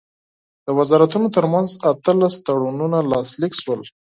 د وزارتونو ترمنځ اتلس تړونونه لاسلیک شول.